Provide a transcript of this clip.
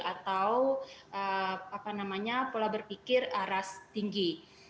atau pola berpikir aras tinggi